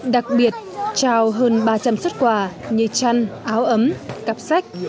đặc biệt trao hơn ba trăm linh xuất quà như chăn áo ấm cặp sách